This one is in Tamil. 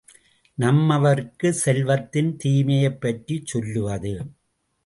நம்மவருக்குச் செல்வத்தின் தீமையைப்பற்றிச் சொல்லுவது.